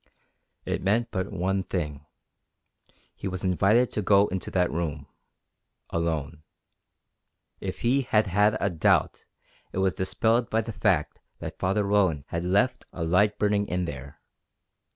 It meant but one thing. He was invited to go into that room alone. If he had had a doubt it was dispelled by the fact that Father Roland had left a light burning in there.